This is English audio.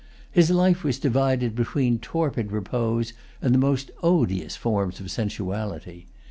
His life was divided between torpid repose and the most odious forms of sensuality.